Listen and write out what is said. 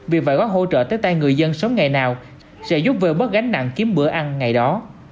việc phải góp hỗ trợ tới tay người dân sống ngày nào sẽ giúp vợ bớt gánh nặng kiếm bữa ăn ngày đó